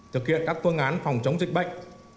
thực hiện các phương án phòng chống dịch bệnh